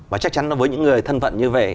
và chắc chắn với những người thân vận như vậy